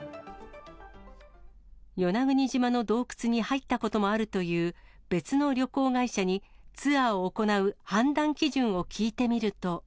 与那国島の洞窟に入ったこともあるという、別の旅行会社に、ツアーを行う判断基準を聞いてみると。